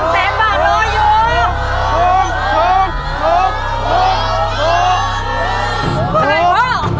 ๕๖๑แสนบาทรออยู่